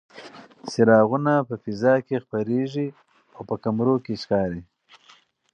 څراغونه په فضا کې خپرېږي او په کمرو کې ښکاري.